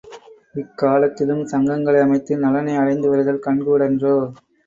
இக்காலத்திலும் சங்கங்களை அமைத்து நலனை அடைந்து வருதல் கண்கூடன்றோ?